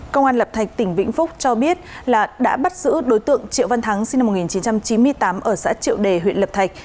công an lập thạch tỉnh vĩnh phúc cho biết đã bắt giữ đối tượng triệu văn thắng sinh năm một nghìn chín trăm chín mươi tám ở xã triệu đề huyện lập thạch